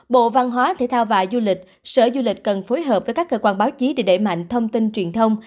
bộ văn hóa thể thao và du lịch sở du lịch cần phối hợp với các cơ quan báo chí để đẩy mạnh thông tin truyền thông